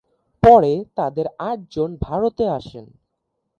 পরে তাদের আটজন ভারতে আসেন।